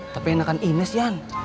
tapi enakan ines yan